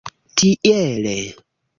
Tiele.